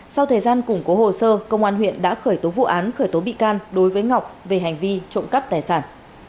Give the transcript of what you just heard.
sau thời gian củng cố hồ sơ công an huyện đã khởi tố vụ án khởi tố bị can đối với ngọc về hành vi trộm cắp tài sản